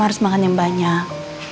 harus makan yang banyak